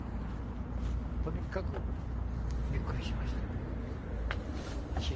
とにかくびっくりしました。